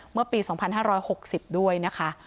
เมื่อปี๒๕๖๐ด้วยนะคะ